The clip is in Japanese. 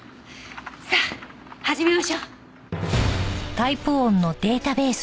さあ始めましょう。